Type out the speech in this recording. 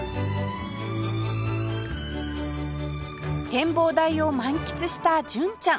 展望台を満喫した純ちゃん